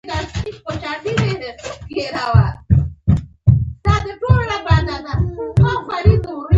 لـنـډه کيـسـه :نـاوړه دودونـه